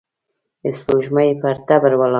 سپوږمۍ پر تبر ولاړه وه.